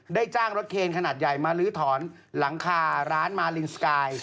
จ้างรถเคนขนาดใหญ่มาลื้อถอนหลังคาร้านมาลินสกาย